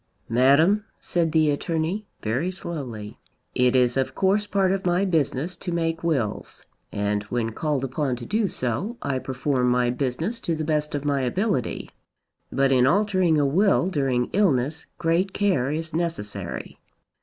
"Madame," said the attorney very slowly, "it is of course part of my business to make wills, and when called upon to do so, I perform my business to the best of my ability. But in altering a will during illness great care is necessary.